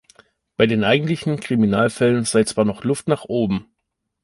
Bei den eigentlichen Kriminalfällen sei zwar noch Luft nach oben.